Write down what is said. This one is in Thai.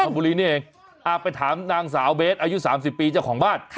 บุรีนี่เองไปถามนางสาวเบสอายุ๓๐ปีเจ้าของบ้าน